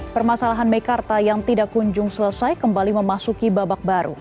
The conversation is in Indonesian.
permasalahan mekarta yang tidak kunjung selesai kembali memasuki babak baru